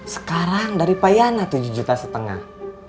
sekarang dari payana tujuh juta setengah